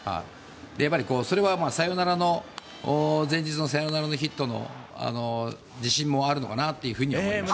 やっぱりそれは前日のサヨナラのヒットの自信もあるのかなというふうには思いました。